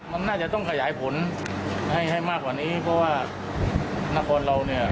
มันน่าจะต้องขยายผลให้ให้มากกว่านี้เพราะว่านครเราเนี่ย